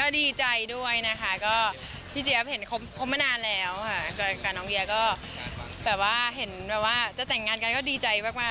ก็ดีใจด้วยก็พี่เจี๊ยบคลบมานานแล้วกับน้องเดียก็เห็นว่าจะแต่งงานกันก็ดีใจมากด้วยค่ะ